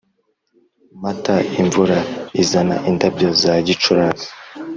mata imvura izana indabyo za gicurasi